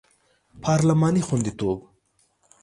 پارلماني خوندیتوب